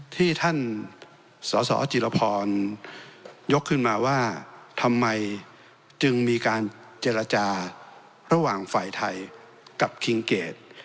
ที่ท่านสสจิรพรยกขึ้นมาว่าทำไมจึงมีการเจรจาระหว่างฝ่ายไทยกับคิงเกด